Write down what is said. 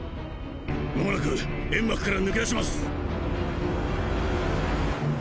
まもなく煙幕から抜け出します！